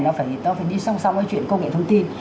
nó phải đi song song với chuyện công nghệ thông tin